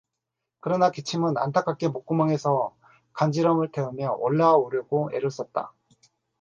그러나 기침은 안타깝게 목구멍에서 간지럼을 태우며 올라오려고 애를 썼다.